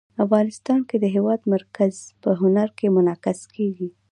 افغانستان کې د هېواد مرکز په هنر کې منعکس کېږي.